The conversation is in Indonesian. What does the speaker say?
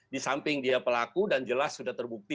di samping dia pelaku dan jelas sudah terbukti